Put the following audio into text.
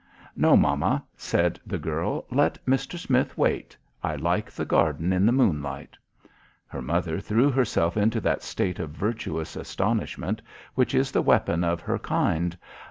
"No, mamma," said the girl, "let Mr. Smith wait. I like the garden in the moonlight." Her mother threw herself into that state of virtuous astonishment which is the weapon of her kind.